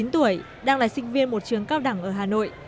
một mươi chín tuổi đang là sinh viên một trường cao đẳng ở hà nội